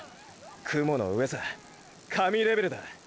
雲の上さ神レベルだ。